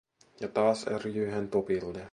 Ja taas ärjyy hän Topille.